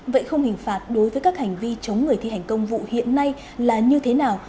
vậy không hình phạt đối với các hành vi chống người thi hành công vụ hiện nay là như thế nào